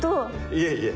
いえいえ！